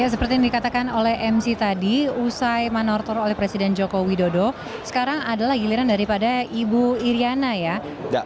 ya seperti yang dikatakan oleh mc tadi usai manortor oleh presiden joko widodo sekarang adalah giliran daripada ibu iryana ya